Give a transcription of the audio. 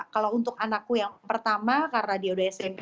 kalau untuk anakku yang pertama karena dia udah smp